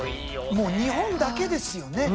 もう日本だけですよね。